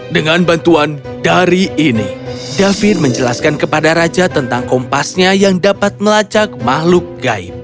dengan bantuan dari ini david menjelaskan kepada raja tentang kompasnya yang dapat melacak makhluk gaib